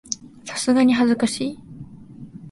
さすがに恥ずかしい